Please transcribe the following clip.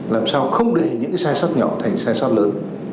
làm sao không để những sai sót nhỏ thành sai sót lớn